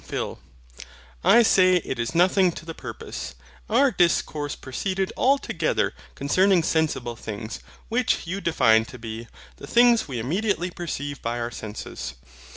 PHIL. I say it is nothing to the purpose. Our discourse proceeded altogether concerning sensible things, which you defined to be, THE THINGS WE IMMEDIATELY PERCEIVE BY OUR SENSES.